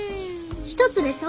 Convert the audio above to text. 一つでしょ？